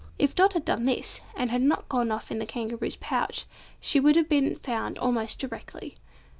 If Dot had done this, and had not gone off in the Kangaroo's pouch, she would have been found almost directly.